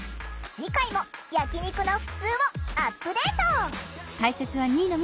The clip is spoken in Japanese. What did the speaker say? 次回も焼き肉のふつうをアップデート！